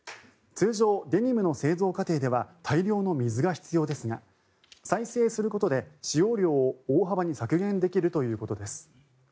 通常、デニムの製造過程では大量の水が必要ですが再生することで使用量を大幅に削減できるということです。